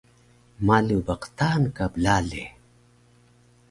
Malu ba qtaan ka plale